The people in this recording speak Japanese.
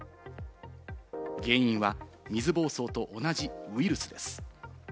原因は水ぼうそうと同じウイルスです。